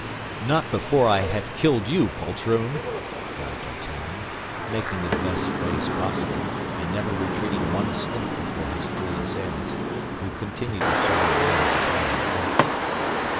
"Not before I have killed you, poltroon!" cried D'Artagnan, making the best face possible, and never retreating one step before his three assailants, who continued to shower blows upon him.